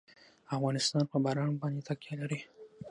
افغانستان په باران باندې تکیه لري.